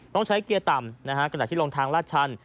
ต้องใช้เกียร์ต่ำกระดับที่ลงทางราชัน